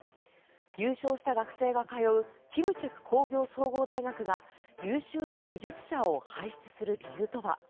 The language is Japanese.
優勝した学生が通う金策工業総合大学が優秀な技術者を輩出する理由とは？